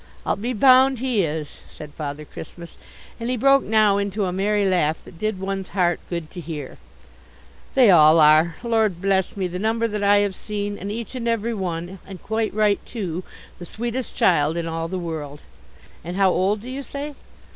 "I'll be bound he is!" said Father Christmas and he broke now into a merry laugh that did one's heart good to hear. "They all are! Lord bless me! The number that I have seen, and each and every one and quite right too the sweetest child in all the world. And how old, do you say?